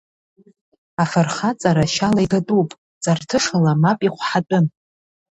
Афырхаҵара шьала игатәуп, ҵарҭышала мап ихәҳатәым.